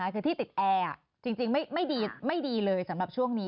คือที่ติดแอร์จริงไม่ดีเลยสำหรับช่วงนี้